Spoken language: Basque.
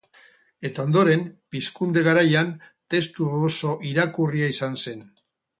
Eta ondoren, Pizkunde garaian, testu oso irakurria izan zen.